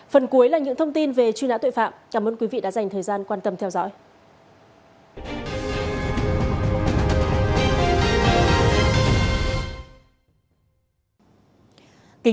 phần cuối là những thông tin về truy nã tội phạm cảm ơn quý vị đã dành thời gian quan tâm theo dõi